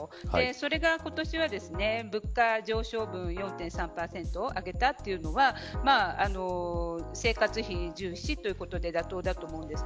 それが今年は、物価上昇分の４．３％上げたというのは生活費重視ということで妥当だと思うんです。